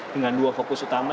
dengan dua fokus utama